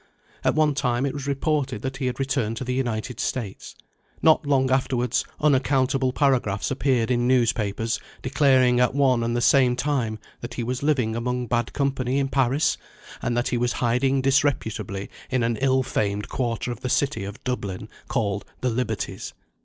At one time it was reported that he had returned to the United States. Not long afterwards unaccountable paragraphs appeared in newspapers declaring, at one and the same time, that he was living among bad company in Paris, and that he was hiding disreputably in an ill famed quarter of the city of Dublin, called "the Liberties."